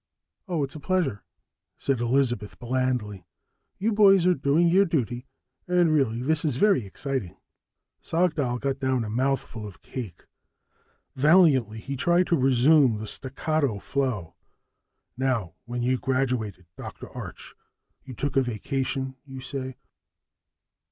"Oh, it's a pleasure," said Elizabeth blandly. "You boys are doing your duty, and really, this is very exciting." Sagdahl got down a mouthful of cake. Valiantly, he tried to resume the staccato flow: "Now, when you graduated, Dr. Arch, you took a vacation, you say.